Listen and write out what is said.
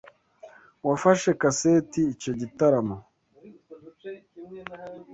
Wafashe kaseti icyo gitaramo? (